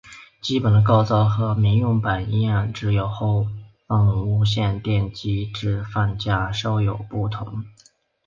基本的构造和民用版一样只有后方无线电机置放架稍有不同。